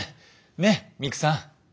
ねっミクさん？